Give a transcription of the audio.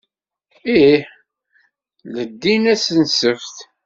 Ih, leddin ass n ssebt.